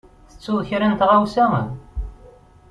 Tettuḍ kra n tɣawsa?